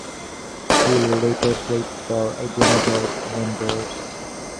He later played for Edinburgh Wanderers.